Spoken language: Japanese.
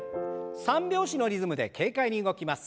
三拍子のリズムで軽快に動きます。